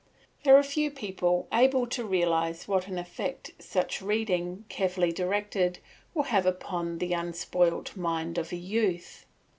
There are few people able to realise what an effect such reading, carefully directed, will have upon the unspoilt mind of a youth.